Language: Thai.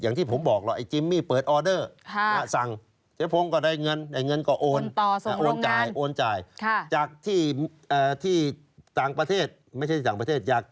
อย่างที่ผมบอกเหรอจิมมี่เปิดออเดอร์